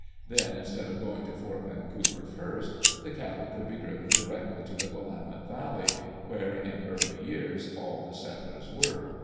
Then instead of going to Fort Vancouver first, the cattle could be driven directly to the Willamette Valley, where, in early years, all the settlers were.